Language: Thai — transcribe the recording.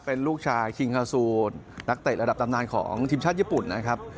เป็นลูกชายคิงฮาซูนักเตะระดับตำนานของทีมชาติญี่ปุ่นนะครับ